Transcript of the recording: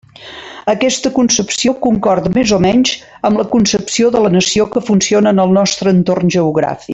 Aquesta concepció concorda més o menys amb la concepció de la nació que funciona en el nostre entorn geogràfic.